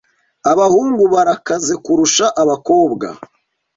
Abahungu barakaze kurusha abakobwa.